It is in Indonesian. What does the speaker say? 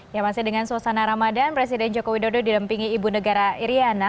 yang masih dengan suasana ramadan presiden jokowi dodo dilampingi ibu negara iryana